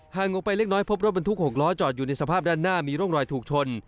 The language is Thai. ออกไปเล็กน้อยพบรถบรรทุก๖ล้อจอดอยู่ในสภาพด้านหน้ามีร่องรอยถูกชน